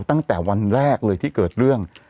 ตั้งแต่วันแรกเลยที่เกิดเรื่อง